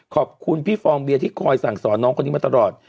ขอบคุณพี่ฟองเบียที่คอยสั่งสอนน้องคนนี้มาตลอด